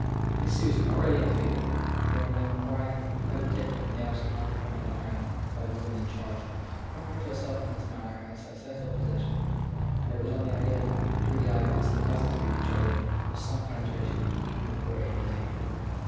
Miss Susan, already in the field, roaming, prying, meditating in the absence on an errand of the woman in charge, offered herself in this manner as in settled possession; and it was on that idea that, through the eyeglass, the cousins viewed each other with some penetration even before Amy came in.